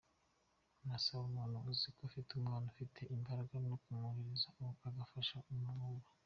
Nasaba umuntu uzi ko afite umwana ufite imbaraga ko yamwohereza agafasha mu Mavubi.